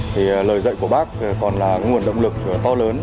thì lời dạy của bác còn là nguồn động lực to lớn